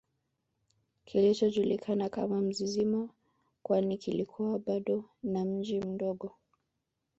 kilichojulikana kama Mzizima kwani kilikuwa bado ni mji mdogo